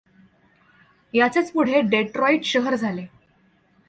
याचेच पुढे डेट्रॉईट शहर झाले.